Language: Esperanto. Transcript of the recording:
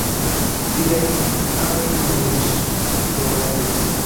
Viaj Anglinoj ĵus forvojaĝis.